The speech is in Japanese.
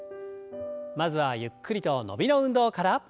まずはゆっくりと伸びの運動から。